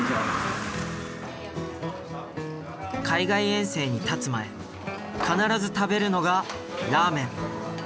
海外遠征にたつ前必ず食べるのがラーメン。